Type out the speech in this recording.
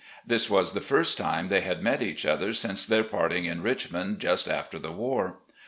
This was the first time they had met each other since their parting in Richmond just after the war.